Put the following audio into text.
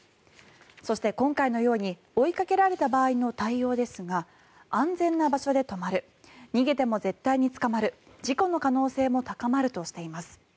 そして、今回のように追いかけられた場合の対応ですが安全な場所で止まる逃げても絶対に捕まる事故の可能性も高まるとしています。